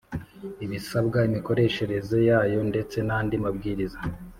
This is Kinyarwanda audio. ibisabwa imikoreshereze yayo ndetse nandi mabwiriza